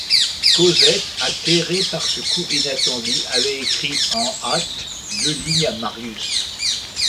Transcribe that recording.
Cosette, atterrée de ce coup inattendu, avait écrit en hâte deux lignes à Marius.